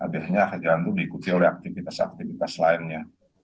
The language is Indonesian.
biasanya jalan itu diikuti oleh aktivitas aktivitas lainnya